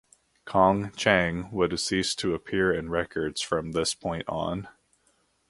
Kong Chang would cease to appear in records from this point on.